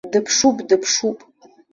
Дыԥшуп, дыԥшуп!